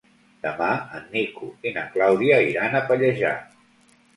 Demà en Nico i na Clàudia iran a Pallejà.